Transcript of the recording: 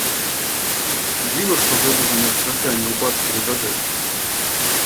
Дзіва, што гэтага мерцвяка не ўбачылі дагэтуль.